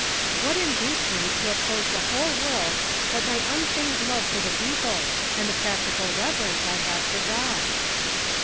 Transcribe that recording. "] What induced me to oppose the whole world but my unfeigned love for the people, and the practical reverence I had for God